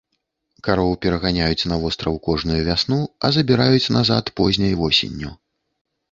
Кароў пераганяюць на востраў кожную вясну, а забіраюць назад позняй восенню.